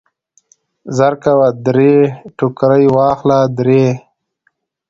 زرکوه درې ټوکرۍ واخله درې.